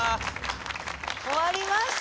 終わりました！